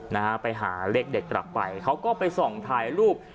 นะฮะไปหาเลขเด็ดกลับไปเขาก็ไปส่องถ่ายรูป